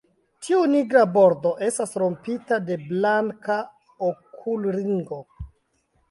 Tiu nigra bordo estas rompita de blanka okulringo.